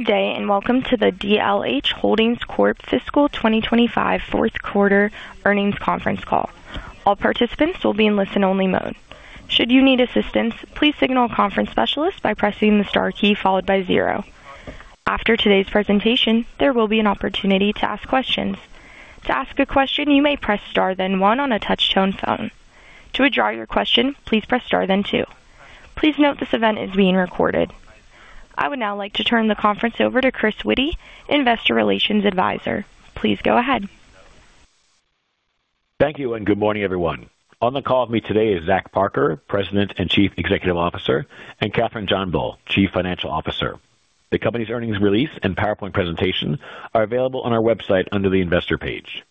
Good day and welcome to the DLH Holdings Corp. Fiscal 2025 Fourth Quarter Earnings Conference Call. All participants will be in listen-only mode. Should you need assistance, please signal a conference specialist by pressing the star key followed by zero. After today's presentation, there will be an opportunity to ask questions. To ask a question, you may press star then one on a touch-tone phone. To withdraw your question, please press star then two. Please note this event is being recorded. I would now like to turn the conference over to Chris Witty, Investor Relations Advisor. Please go ahead. Thank you and good morning, everyone. On the call with me today is Zach Parker, President and Chief Executive Officer, and Kathryn Johnbull, Chief Financial Officer. The company's earnings release and PowerPoint presentation are available on our website under the Investor page.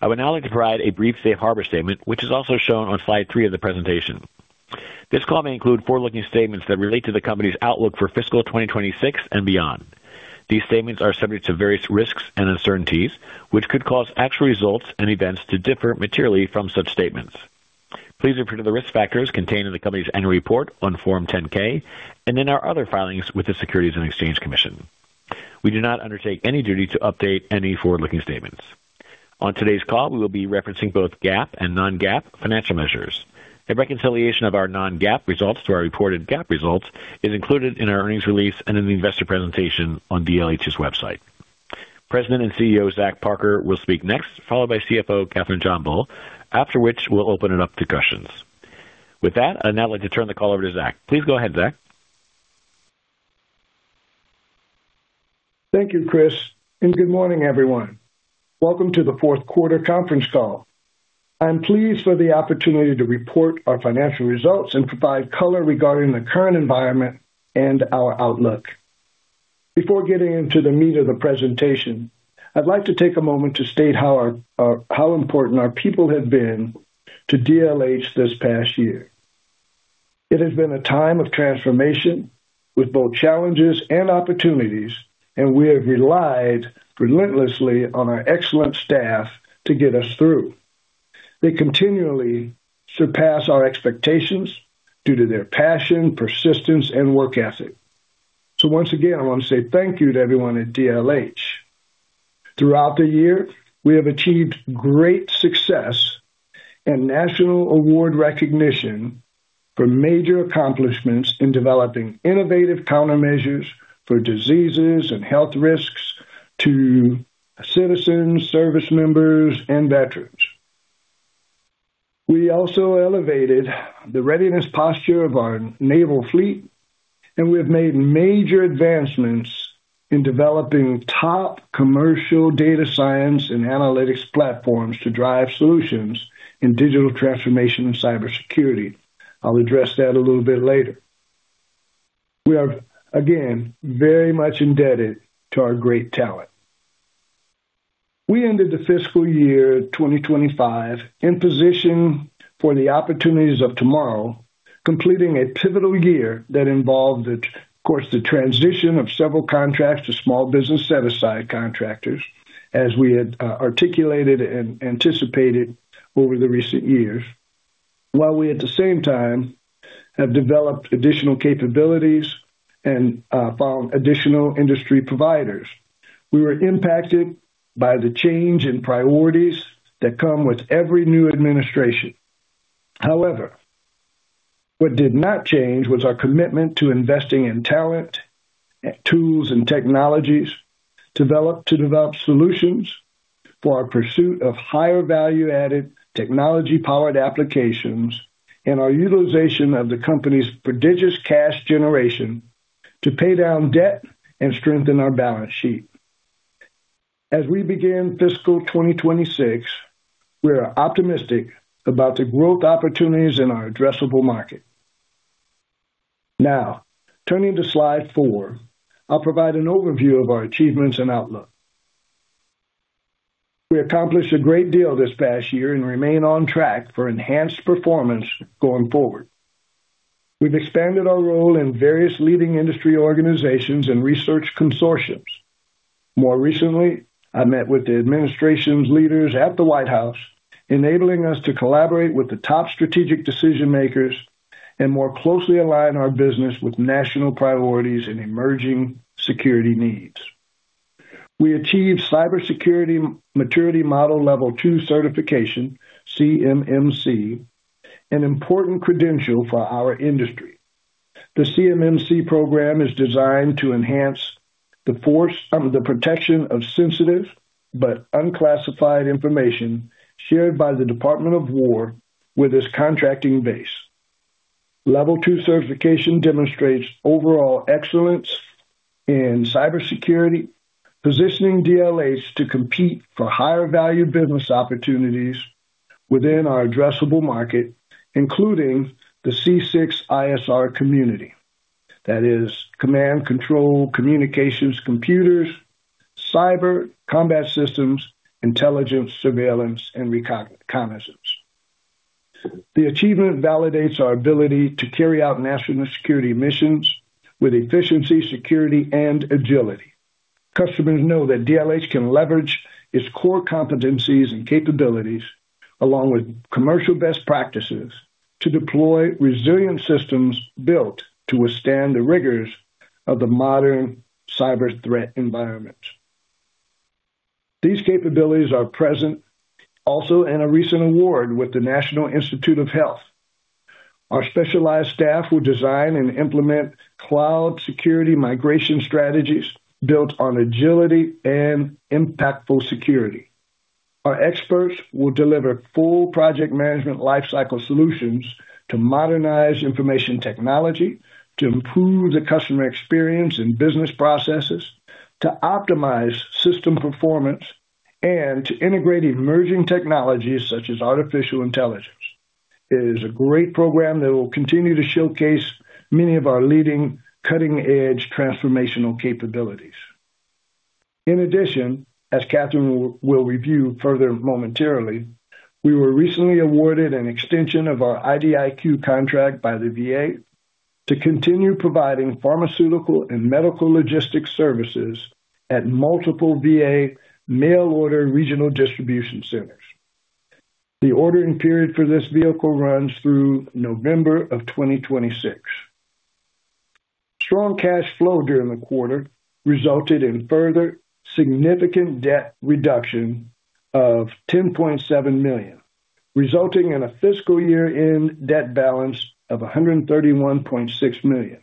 I would now like to provide a brief safe harbor statement, which is also shown on slide three of the presentation. This call may include forward-looking statements that relate to the company's outlook for fiscal 2026 and beyond. These statements are subject to various risks and uncertainties, which could cause actual results and events to differ materially from such statements. Please refer to the risk factors contained in the company's annual report on Form 10-K and in our other filings with the Securities and Exchange Commission. We do not undertake any duty to update any forward-looking statements. On today's call, we will be referencing both GAAP and non-GAAP financial measures. A reconciliation of our non-GAAP results to our reported GAAP results is included in our earnings release and in the investor presentation on DLH's website. President and CEO Zach Parker will speak next, followed by CFO Kathryn Johnbull, after which we'll open it up to questions. With that, I would now like to turn the call over to Zach. Please go ahead, Zach. Thank you, Chris, and good morning, everyone. Welcome to the Fourth Quarter Conference Call. I'm pleased for the opportunity to report our financial results and provide color regarding the current environment and our outlook. Before getting into the meat of the presentation, I'd like to take a moment to state how important our people have been to DLH this past year. It has been a time of transformation with both challenges and opportunities, and we have relied relentlessly on our excellent staff to get us through. They continually surpass our expectations due to their passion, persistence, and work ethic. So once again, I want to say thank you to everyone at DLH. Throughout the year, we have achieved great success and national award recognition for major accomplishments in developing innovative countermeasures for diseases and health risks to citizens, service members, and veterans. We also elevated the readiness posture of our naval fleet, and we have made major advancements in developing top commercial data science and analytics platforms to drive solutions in digital transformation and cybersecurity. I'll address that a little bit later. We are, again, very much indebted to our great talent. We ended the fiscal year 2025 in position for the opportunities of tomorrow, completing a pivotal year that involved, of course, the transition of several contracts to small business set-aside contractors, as we had articulated and anticipated over the recent years, while we at the same time have developed additional capabilities and found additional industry providers. We were impacted by the change in priorities that come with every new administration. However, what did not change was our commitment to investing in talent, tools, and technologies to develop solutions for our pursuit of higher value-added technology-powered applications and our utilization of the company's prodigious cash generation to pay down debt and strengthen our balance sheet. As we begin fiscal 2026, we are optimistic about the growth opportunities in our addressable market. Now, turning to slide four, I'll provide an overview of our achievements and outlook. We accomplished a great deal this past year and remain on track for enhanced performance going forward. We've expanded our role in various leading industry organizations and research consortiums. More recently, I met with the administration's leaders at the White House, enabling us to collaborate with the top strategic decision-makers and more closely align our business with national priorities and emerging security needs. We achieved cybersecurity maturity model level two certification, CMMC, an important credential for our industry. The CMMC program is designed to enhance the protection of sensitive but unclassified information shared by the Department of Defense with its contracting base. Level two certification demonstrates overall excellence in cybersecurity, positioning DLH to compete for higher value business opportunities within our addressable market, including the C6ISR community. That is command, control, communications, computers, cyber, combat systems, intelligence, surveillance, and reconnaissance. The achievement validates our ability to carry out national security missions with efficiency, security, and agility. Customers know that DLH can leverage its core competencies and capabilities, along with commercial best practices, to deploy resilient systems built to withstand the rigors of the modern cyber threat environment. These capabilities are present also in a recent award with the National Institutes of Health. Our specialized staff will design and implement cloud security migration strategies built on agility and impactful security. Our experts will deliver full project management lifecycle solutions to modernize information technology, to improve the customer experience and business processes, to optimize system performance, and to integrate emerging technologies such as artificial intelligence. It is a great program that will continue to showcase many of our leading cutting-edge transformational capabilities. In addition, as Kathryn will review further momentarily, we were recently awarded an extension of our IDIQ contract by the VA to continue providing pharmaceutical and medical logistics services at multiple VA mail-order regional distribution centers. The ordering period for this vehicle runs through November of 2026. Strong cash flow during the quarter resulted in further significant debt reduction of $10.7 million, resulting in a fiscal year-end debt balance of $131.6 million.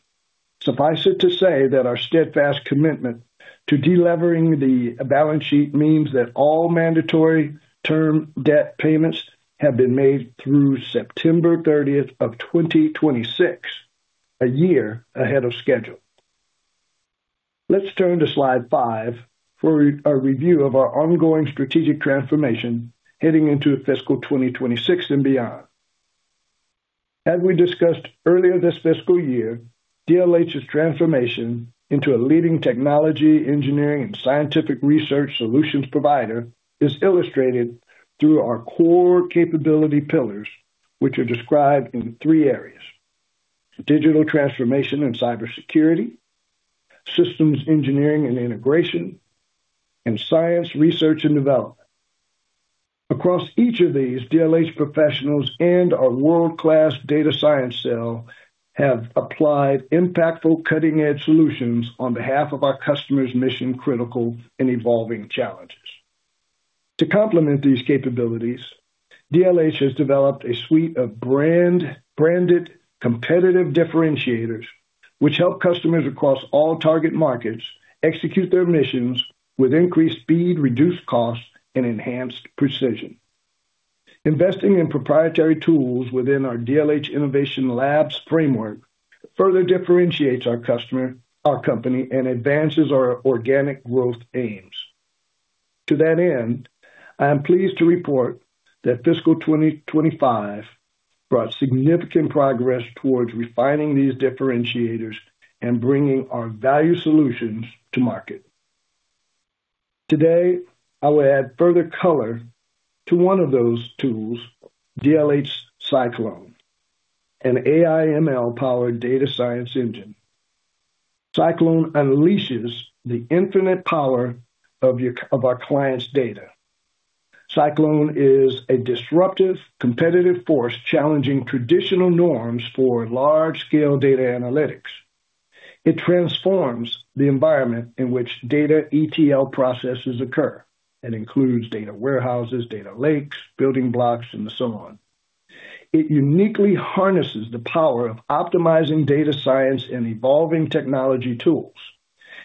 Suffice it to say that our steadfast commitment to delivering the balance sheet means that all mandatory term debt payments have been made through September 30th of 2026, a year ahead of schedule. Let's turn to slide five for our review of our ongoing strategic transformation heading into fiscal 2026 and beyond. As we discussed earlier this fiscal year, DLH's transformation into a leading technology, engineering, and scientific research solutions provider is illustrated through our core capability pillars, which are described in three areas: digital transformation and cybersecurity, systems engineering and integration, and science, research, and development. Across each of these, DLH professionals and our world-class data science cell have applied impactful cutting-edge solutions on behalf of our customers' mission-critical and evolving challenges. To complement these capabilities, DLH has developed a suite of branded competitive differentiators, which help customers across all target markets execute their missions with increased speed, reduced costs, and enhanced precision. Investing in proprietary tools within our DLH Innovation Labs framework further differentiates our customer, our company, and advances our organic growth aims. To that end, I am pleased to report that fiscal 2025 brought significant progress towards refining these differentiators and bringing our value solutions to market. Today, I will add further color to one of those tools, DLH Cyclone, an AI/ML-powered data science engine. Cyclone unleashes the infinite power of our client's data. Cyclone is a disruptive competitive force challenging traditional norms for large-scale data analytics. It transforms the environment in which data ETL processes occur. It includes data warehouses, data lakes, building blocks, and so on. It uniquely harnesses the power of optimizing data science and evolving technology tools.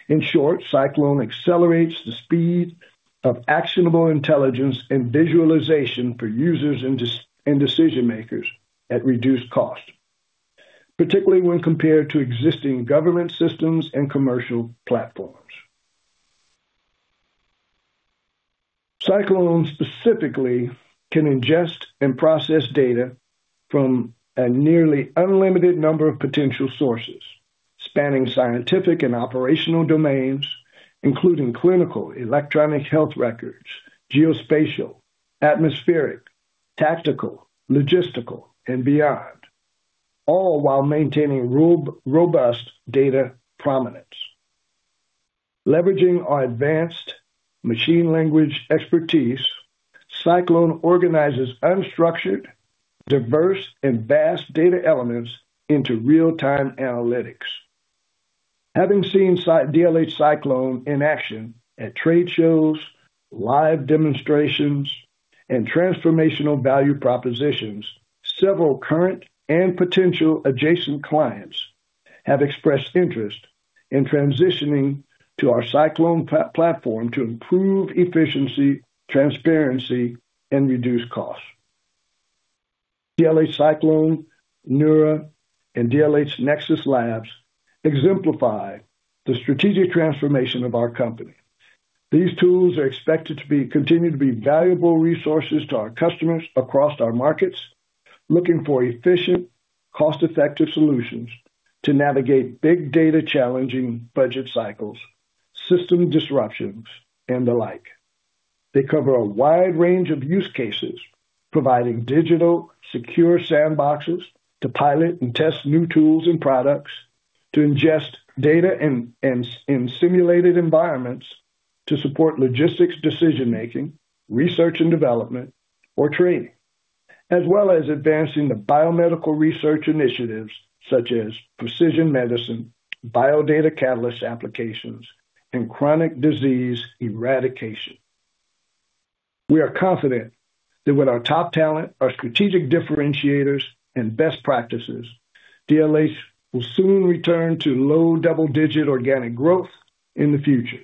In short, Cyclone accelerates the speed of actionable intelligence and visualization for users and decision-makers at reduced cost, particularly when compared to existing government systems and commercial platforms. Cyclone specifically can ingest and process data from a nearly unlimited number of potential sources, spanning scientific and operational domains, including clinical, electronic health records, geospatial, atmospheric, tactical, logistical, and beyond, all while maintaining robust data provenance. Leveraging our advanced machine learning expertise, Cyclone organizes unstructured, diverse, and vast data elements into real-time analytics. Having seen DLH Cyclone in action at trade shows, live demonstrations, and transformational value propositions, several current and potential adjacent clients have expressed interest in transitioning to our Cyclone platform to improve efficiency, transparency, and reduce costs. DLH Cyclone, Nura, and DLH Nexus Labs exemplify the strategic transformation of our company. These tools are expected to continue to be valuable resources to our customers across our markets, looking for efficient, cost-effective solutions to navigate big data challenging budget cycles, system disruptions, and the like. They cover a wide range of use cases, providing digital secure sandboxes to pilot and test new tools and products, to ingest data in simulated environments to support logistics decision-making, research and development, or training, as well as advancing the biomedical research initiatives such as precision medicine, Biodata Catalyst applications, and chronic disease eradication. We are confident that with our top talent, our strategic differentiators, and best practices, DLH will soon return to low double-digit organic growth in the future.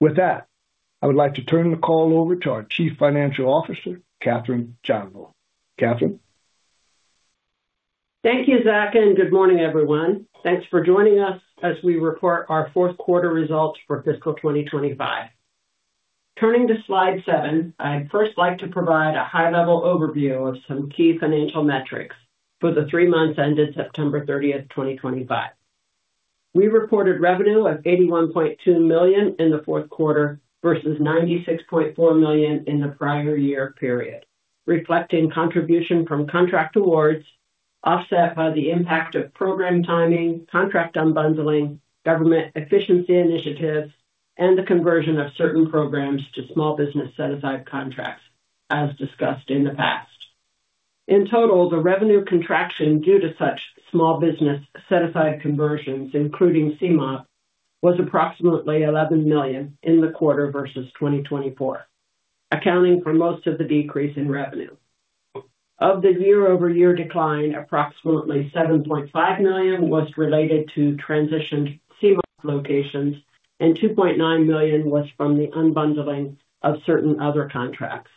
With that, I would like to turn the call over to our Chief Financial Officer, Kathryn Johnbull. Kathryn. Thank you, Zach, and good morning, everyone. Thanks for joining us as we report our fourth quarter results for fiscal 2025. Turning to slide seven, I'd first like to provide a high-level overview of some key financial metrics for the three months ended September 30th, 2025. We reported revenue of $81.2 million in the fourth quarter versus $96.4 million in the prior year period, reflecting contribution from contract awards offset by the impact of program timing, contract unbundling, government efficiency initiatives, and the conversion of certain programs to small business set-aside contracts, as discussed in the past. In total, the revenue contraction due to such small business set-aside conversions, including CMOP, was approximately $11 million in the quarter versus 2024, accounting for most of the decrease in revenue. Of the year-over-year decline, approximately $7.5 million was related to transitioned CMOP locations, and $2.9 million was from the unbundling of certain other contracts.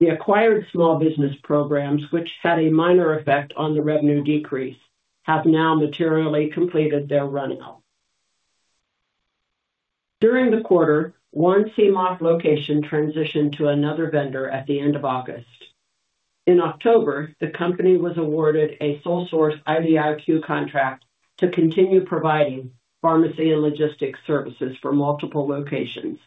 The acquired small business programs, which had a minor effect on the revenue decrease, have now materially completed their run-out. During the quarter, one CMOP location transitioned to another vendor at the end of August. In October, the company was awarded a sole-source IDIQ contract to continue providing pharmacy and logistics services for multiple locations.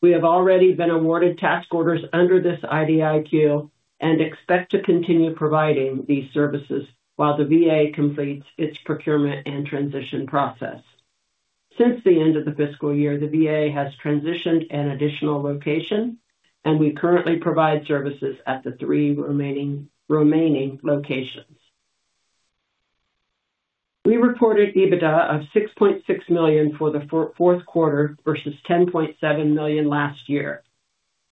We have already been awarded task orders under this IDIQ and expect to continue providing these services while the VA completes its procurement and transition process. Since the end of the fiscal year, the VA has transitioned an additional location, and we currently provide services at the three remaining locations. We reported EBITDA of $6.6 million for the fourth quarter versus $10.7 million last year.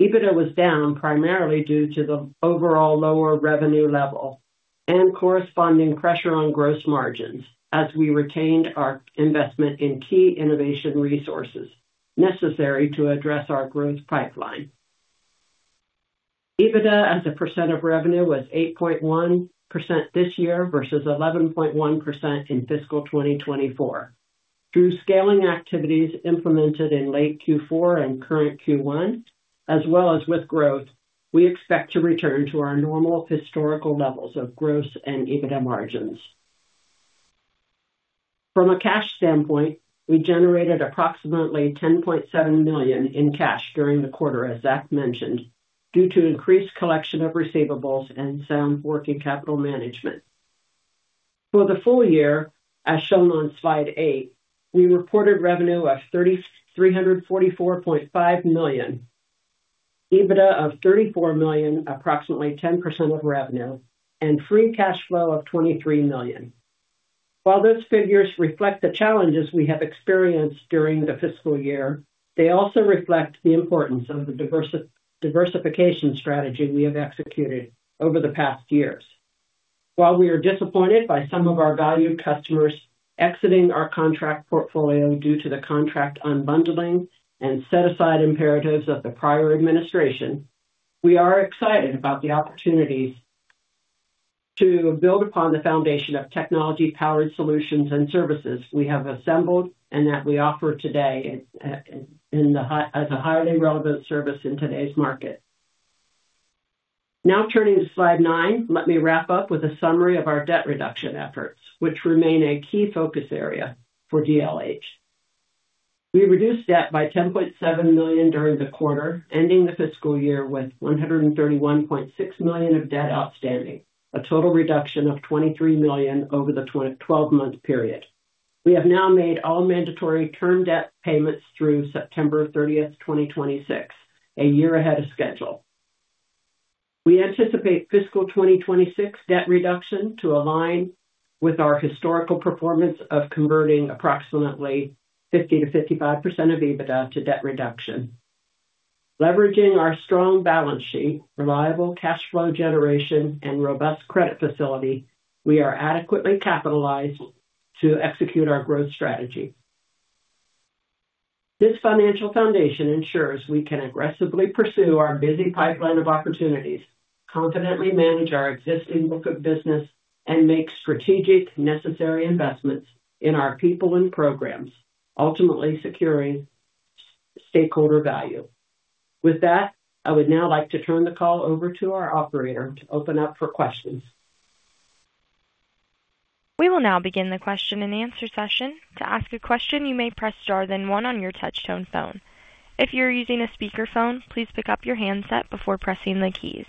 EBITDA was down primarily due to the overall lower revenue level and corresponding pressure on gross margins as we retained our investment in key innovation resources necessary to address our growth pipeline. EBITDA as a percent of revenue was 8.1% this year versus 11.1% in fiscal 2024. Through scaling activities implemented in late Q4 and current Q1, as well as with growth, we expect to return to our normal historical levels of gross and EBITDA margins. From a cash standpoint, we generated approximately $10.7 million in cash during the quarter, as Zach mentioned, due to increased collection of receivables and sound working capital management. For the full year, as shown on slide eight, we reported revenue of $344.5 million, EBITDA of $34 million, approximately 10% of revenue, and free cash flow of $23 million. While those figures reflect the challenges we have experienced during the fiscal year, they also reflect the importance of the diversification strategy we have executed over the past years. While we are disappointed by some of our valued customers exiting our contract portfolio due to the contract unbundling and set-aside imperatives of the prior administration, we are excited about the opportunities to build upon the foundation of technology-powered solutions and services we have assembled and that we offer today as a highly relevant service in today's market. Now turning to slide nine, let me wrap up with a summary of our debt reduction efforts, which remain a key focus area for DLH. We reduced debt by $10.7 million during the quarter, ending the fiscal year with $131.6 million of debt outstanding, a total reduction of $23 million over the 12-month period. We have now made all mandatory term debt payments through September 30th, 2026, a year ahead of schedule. We anticipate fiscal 2026 debt reduction to align with our historical performance of converting approximately 50%-55% of EBITDA to debt reduction. Leveraging our strong balance sheet, reliable cash flow generation, and robust credit facility, we are adequately capitalized to execute our growth strategy. This financial foundation ensures we can aggressively pursue our busy pipeline of opportunities, confidently manage our existing book of business, and make strategic necessary investments in our people and programs, ultimately securing stakeholder value. With that, I would now like to turn the call over to our operator to open up for questions. We will now begin the question and answer session. To ask a question, you may press star then one on your touchtone phone. If you're using a speakerphone, please pick up your handset before pressing the keys.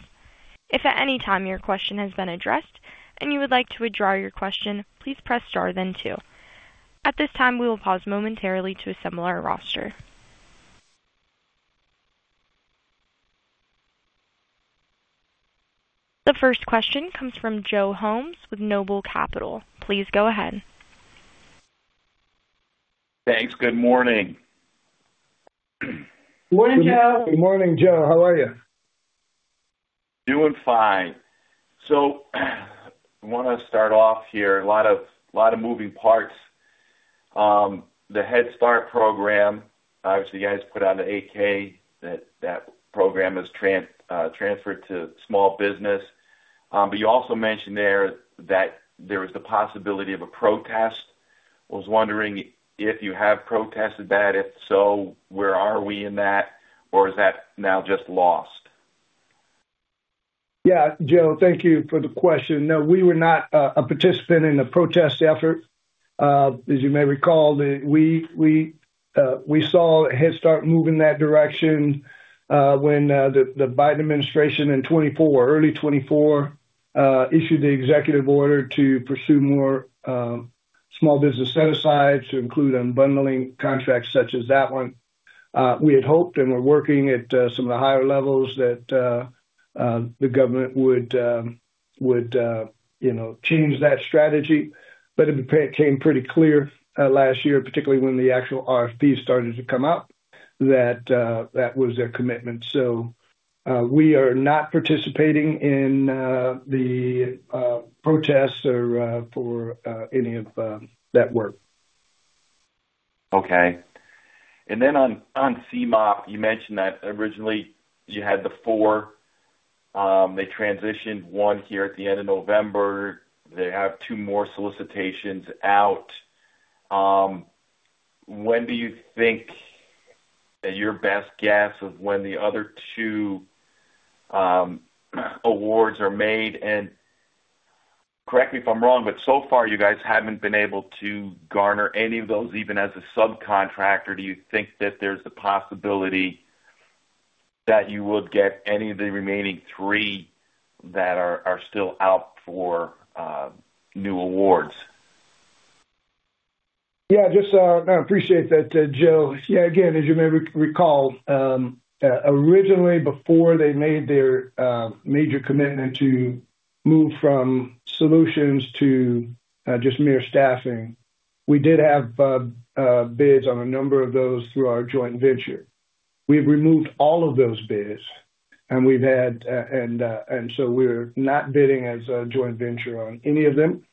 If at any time your question has been addressed and you would like to withdraw your question, please press star then two. At this time, we will pause momentarily to assemble our roster. The first question comes from Joe Gomes with Noble Capital. Please go ahead. Thanks. Good morning. Good morning, Joe. Good morning, Joe. How are you? Doing fine, so I want to start off here. A lot of moving parts. The Head Start program, obviously, you guys put out an 8-K that the program is transferred to small business. But you also mentioned there that there was the possibility of a protest. I was wondering if you have protested that. If so, where are we in that? Or is that now just lost? Yeah, Joe, thank you for the question. No, we were not a participant in the protest effort. As you may recall, we saw Head Start moving that direction when the Biden administration in 2024, early 2024, issued the executive order to pursue more small business set-asides to include unbundling contracts such as that one. We had hoped and were working at some of the higher levels that the government would change that strategy. But it became pretty clear last year, particularly when the actual RFP started to come out, that that was their commitment. So we are not participating in the protests or for any of that work. Okay. And then on CMOP, you mentioned that originally you had the four. They transitioned one here at the end of November. They have two more solicitations out. When do you think that your best guess of when the other two awards are made? And correct me if I'm wrong, but so far, you guys haven't been able to garner any of those even as a subcontractor. Do you think that there's the possibility that you would get any of the remaining three that are still out for new awards? Yeah, I just appreciate that, Joe. Yeah, again, as you may recall, originally, before they made their major commitment to move from solutions to just mere staffing, we did have bids on a number of those through our joint venture. We've removed all of those bids, and so we're not bidding as a joint venture on any of them.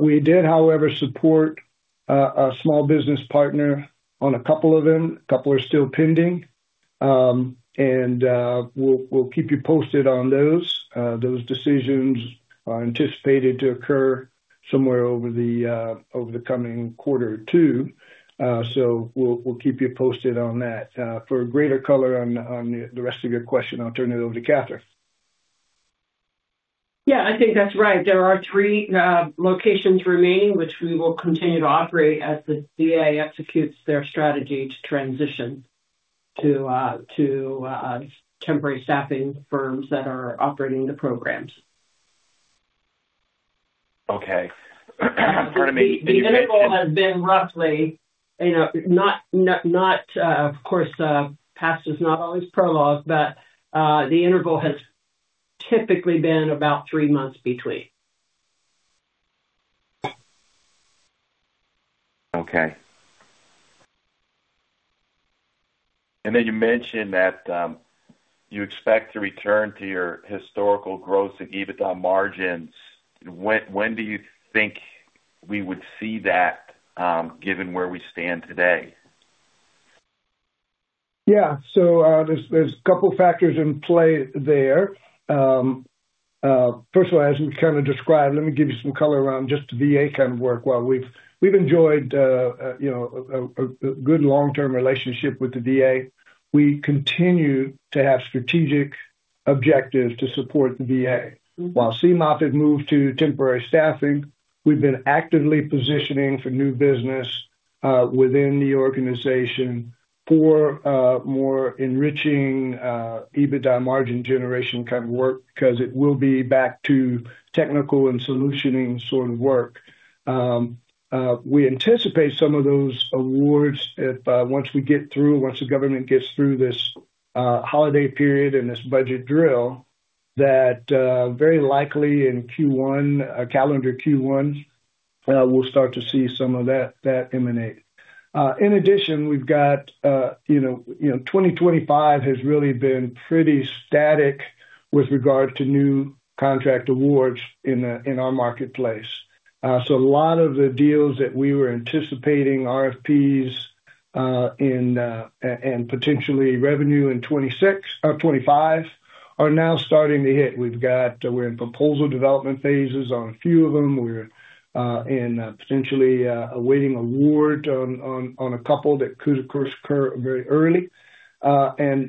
We did, however, support a small business partner on a couple of them. A couple are still pending. We'll keep you posted on those. Those decisions are anticipated to occur somewhere over the coming quarter or two. We'll keep you posted on that. For greater color on the rest of your question, I'll turn it over to Kathryn. Yeah, I think that's right. There are three locations remaining, which we will continue to operate as the VA executes their strategy to transition to temporary staffing firms that are operating the programs. Okay. Pardon me. The interval has been roughly, not of course. Past is not always prologue, but the interval has typically been about three months between. Okay. And then you mentioned that you expect to return to your historical growth and EBITDA margins. When do you think we would see that given where we stand today? Yeah. So there's a couple of factors in play there. First of all, as we kind of described, let me give you some color around just the VA kind of work. While we've enjoyed a good long-term relationship with the VA, we continue to have strategic objectives to support the VA. While CMOP has moved to temporary staffing, we've been actively positioning for new business within the organization for more enriching EBITDA margin generation kind of work because it will be back to technical and solutioning sort of work. We anticipate some of those awards if once we get through, once the government gets through this holiday period and this budget drill, that very likely in Q1, calendar Q1, we'll start to see some of that emanate. In addition, we've got 2025 has really been pretty static with regard to new contract awards in our marketplace. A lot of the deals that we were anticipating, RFPs and potentially revenue in 2026 or 2025, are now starting to hit. We're in proposal development phases on a few of them. We're potentially awaiting award on a couple that could, of course, occur very early.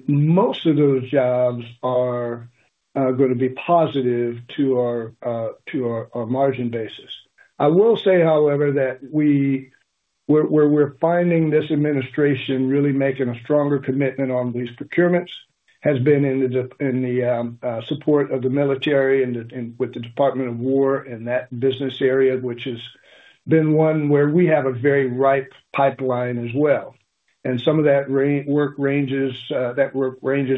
Most of those jobs are going to be positive to our margin basis. I will say, however, that we're finding this administration really making a stronger commitment on these procurements has been in the support of the military and with the Department of Defense in that business area, which has been one where we have a very ripe pipeline as well. Some of that work ranges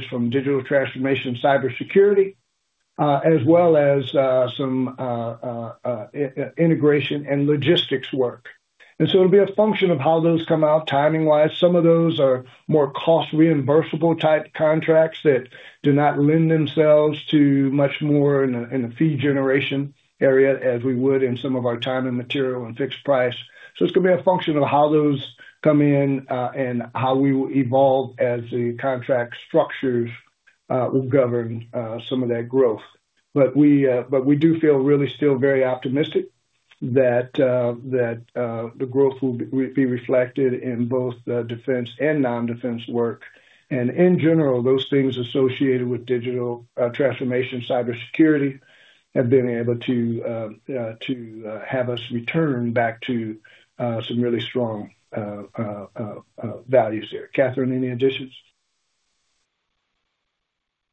from digital transformation, cybersecurity, as well as some integration and logistics work. It'll be a function of how those come out timing-wise. Some of those are more cost-reimbursable type contracts that do not lend themselves to much more in the fee generation area as we would in some of our time and material and fixed price. So it's going to be a function of how those come in and how we will evolve as the contract structures will govern some of that growth. But we do feel really still very optimistic that the growth will be reflected in both defense and non-defense work. And in general, those things associated with digital transformation, cybersecurity have been able to have us return back to some really strong values there. Kathryn, any additions?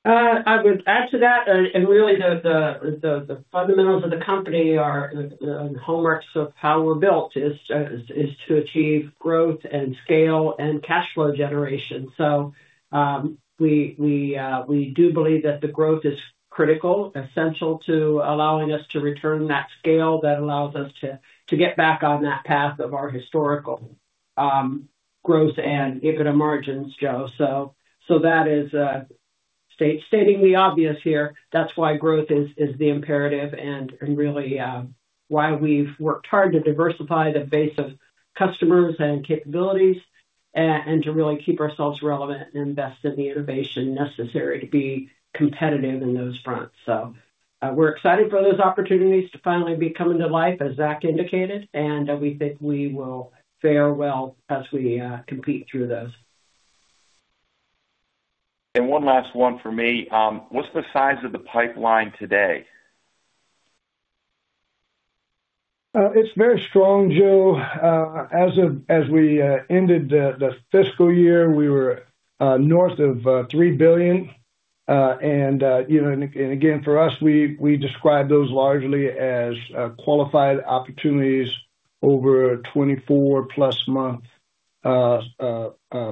I would add to that and really, the fundamentals of the company are the hallmarks of how we're built is to achieve growth and scale and cash flow generation, so we do believe that the growth is critical, essential to allowing us to return that scale that allows us to get back on that path of our historical growth and EBITDA margins, Joe, so that is stating the obvious here, that's why growth is the imperative and really why we've worked hard to diversify the base of customers and capabilities and to really keep ourselves relevant and invest in the innovation necessary to be competitive in those fronts, so we're excited for those opportunities to finally be coming to life, as Zach indicated, and we think we will fare well as we compete through those. One last one for me. What's the size of the pipeline today? It's very strong, Joe. As we ended the fiscal year, we were north of $3 billion. And again, for us, we describe those largely as qualified opportunities over a 24-plus month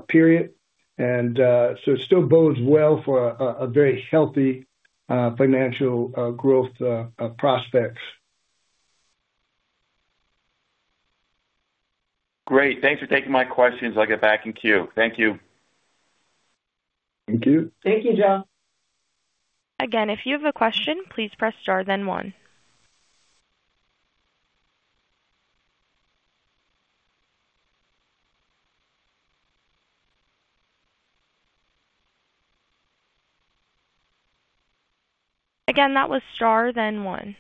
period. And so it still bodes well for a very healthy financial growth prospects. Great. Thanks for taking my questions. I'll get back in queue. Thank you. Thank you. Thank you, Joe. Again, if you have a question, please press star then one. Again, that was star then one.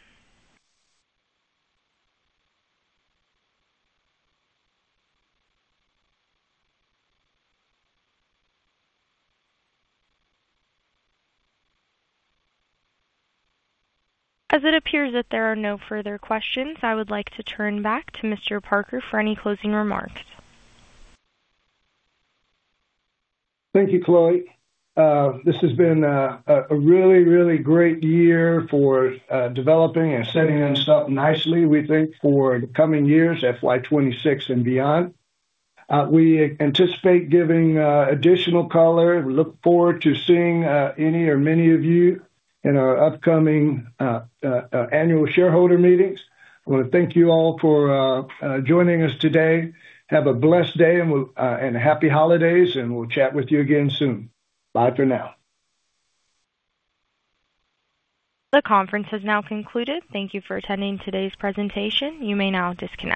As it appears that there are no further questions, I would like to turn back to Mr. Parker for any closing remarks. Thank you, Chloe. This has been a really, really great year for developing and setting things up nicely, we think, for the coming years, FY 26 and beyond. We anticipate giving additional color. We look forward to seeing any or many of you in our upcoming annual shareholder meetings. I want to thank you all for joining us today. Have a blessed day and happy holidays, and we'll chat with you again soon. Bye for now. The conference has now concluded. Thank you for attending today's presentation. You may now disconnect.